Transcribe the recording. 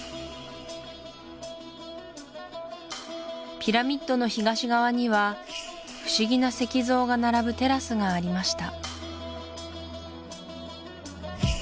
ピラミッドの東側にはふしぎな石像が並ぶテラスがありました